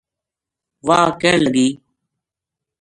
واہ کہن لگی